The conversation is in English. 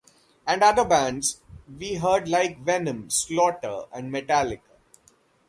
And other bands we heard like Venom, Slaughter and Metallica.